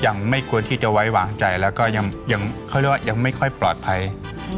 ยังไม่ควรที่จะไว้วางใจแล้วก็ยังยังเขาเรียกว่ายังไม่ค่อยปลอดภัยอืม